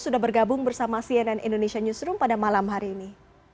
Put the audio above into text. sudah bergabung bersama cnn indonesia newsroom pada malam hari ini